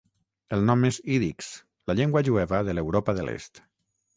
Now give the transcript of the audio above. El nom és ídix, la llengua jueva de l'Europa de l'est.